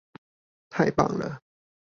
太棒了！